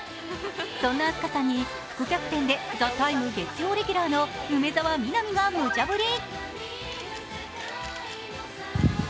そんな飛鳥さんに副キャプテンで「ＴＨＥＴＩＭＥ，」月曜レギュラーの梅澤美波がむちゃぶり。